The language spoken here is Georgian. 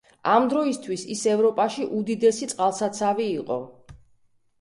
ამ დროისთვის ის ევროპაში უდიდესი წყალსაცავი იყო.